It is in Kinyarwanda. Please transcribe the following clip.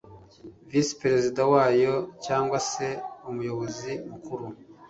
Visi perezida wayo cyangwa se umuyobozi mukuru